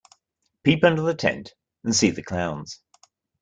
Peep under the tent and see the clowns.